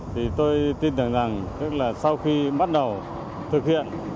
thì tôi tin tưởng rằng tức là sau khi bắt đầu thực hiện